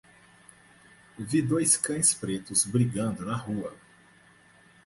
Vi dois cães pretos brigando na rua